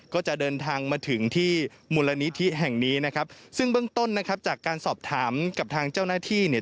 ก็จะเดินทางมาถึงที่มูลนิธิแห่งนี้นะครับซึ่งเบื้องต้นนะครับจากการสอบถามกับทางเจ้าหน้าที่เนี่ย